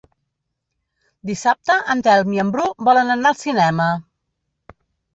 Dissabte en Telm i en Bru volen anar al cinema.